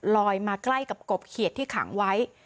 ลอยมาใกล้กับกบเขียดที่ขังไว้